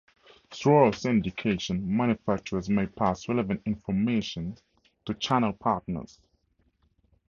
Through syndication, manufacturers may pass relevant information to channel partners.